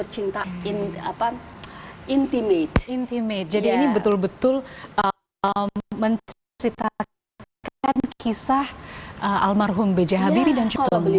cinta ini apa intime intime jadi ini betul betul menterita kisah almarhum bgh bibi dan coba beli